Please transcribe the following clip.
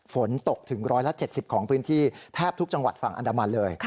ฝนตกถึง๑๗๐ของพื้นที่แทบทุกจังหวัดฝั่งอันดามันเลย